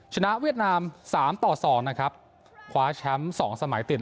เวียดนามสามต่อสองนะครับคว้าแชมป์สองสมัยติด